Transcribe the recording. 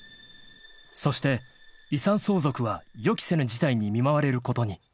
［そして遺産相続は予期せぬ事態に見舞われることに］